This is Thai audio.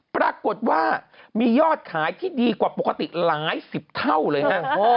ปรากฏว่ามียอดขายที่ดีกว่าปกติหลายสิบเท่าเลยฮะ